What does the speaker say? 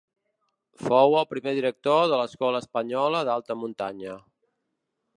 Fou el primer director de l'Escola Espanyola d'Alta Muntanya.